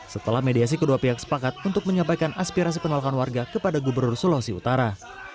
setelah mediasi kedua pihak sepakat untuk menyampaikan aspirasi penolakan warga kepada gubernur sulawesi utara